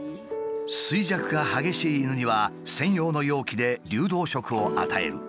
衰弱が激しい犬には専用の容器で流動食を与える。